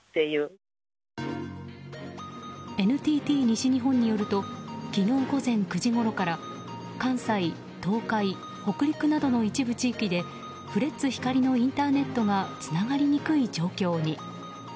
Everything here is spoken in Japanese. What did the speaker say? ＮＴＴ西日本によると昨日午前９時ごろから関西、東海・北陸などの一部地域でフレッツ光のインターネットがつながりにくい状況に。